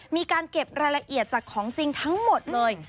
มีการเก็บรายละเอียดจากของจริงทั้งหมดเลย